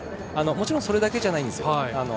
もちろんそれだけじゃないですよ。